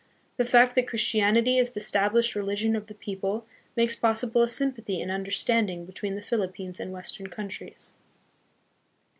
The fact that Chris tianity is the established religion of the people makes possible a sympathy and understanding between the Phil ippines and western countries.